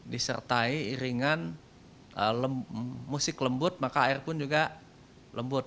disertai iringan musik lembut maka air pun juga lembut